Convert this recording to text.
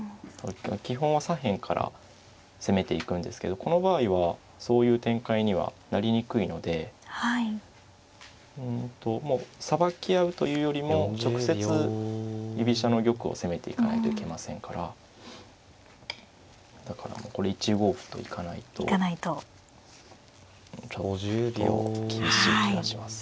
基本は左辺から攻めていくんですけどこの場合はそういう展開にはなりにくいのでもうさばき合うというよりも直接居飛車の玉を攻めていかないといけませんからだからもうこれ１五歩と行かないとちょっと厳しい気がします。